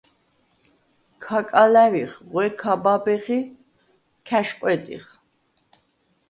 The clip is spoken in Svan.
ქ’აკალა̈ვიხ, ღვე ქ’აბაბეხ ი ქ’ა̈შყვედიხ.